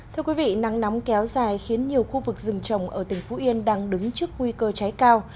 thưa quý vị nắng nóng kéo dài khiến nhiều khu vực rừng trồng ở tỉnh phú yên đang đứng trước nguy cơ cháy cao